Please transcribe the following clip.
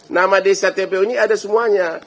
nama desa tpu ini ada semuanya